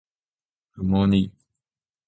くもり